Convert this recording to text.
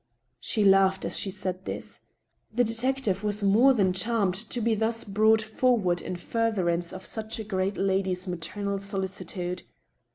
She laughed as she said this. The detective was more than charmed to be thus brought forward in furtherance of such a great lady's maternal solicitude.